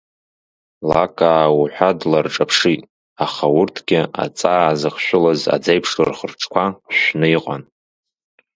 Лакаа уҳәа дларҿаԥшит, аха урҭгьы аҵаа зыхшәылаз аӡеиԥш рхы-рыҿқәа шәны иҟан.